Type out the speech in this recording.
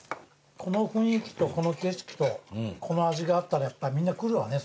この雰囲気とこの景色とこの味があったらやっぱりみんな来るわね